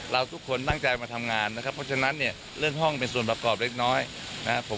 ทุกคนตั้งใจมาทำงานนะครับเพราะฉะนั้นเนี่ยเรื่องห้องเป็นส่วนประกอบเล็กน้อยนะครับผม